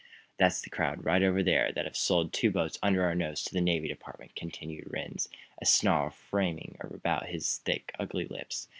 "That's the crowd, right over there, that have sold two boats under our noses to the Navy Department," continued Rhinds, a snarl framing about his thick, ugly lips.